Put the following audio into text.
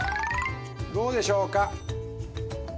どうでしょうか。